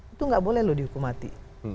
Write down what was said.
itu nggak boleh loh dihukum mati